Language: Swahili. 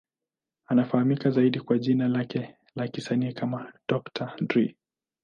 Anafahamika zaidi kwa jina lake la kisanii kama Dr. Dre.